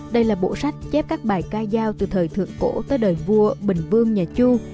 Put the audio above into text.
đây là bộ sách chép các bài ca giao từ thời thượng cổ tới đời vua bình vương nhà chu